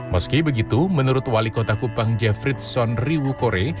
meski begitu menurut wali kota kupang jevrid son riwukore